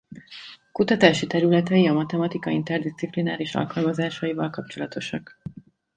Kutatási területei a matematika interdiszciplináris alkalmazásaival kapcsolatosak.